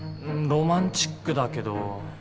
ロマンチックだけど。